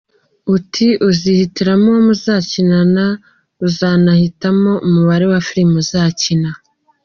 Ati “Uzihitiramo uwo muzakinana, uzanahitamo umubare wa film uzakina.